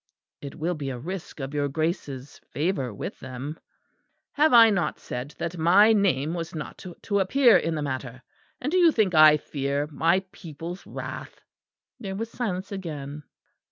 "It will be a risk of your Grace's favour with them." "Have I not said that my name was not to appear in the matter? And do you think I fear my people's wrath?" There was silence again.